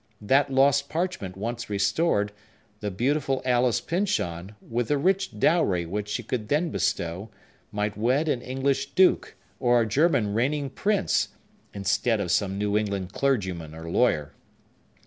That lost parchment once restored, the beautiful Alice Pyncheon, with the rich dowry which he could then bestow, might wed an English duke or a German reigning prince, instead of some New England clergyman or lawyer!